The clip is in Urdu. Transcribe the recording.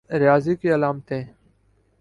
ریاضی کی علامتیں